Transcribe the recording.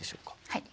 はい。